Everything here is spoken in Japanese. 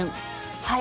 はい。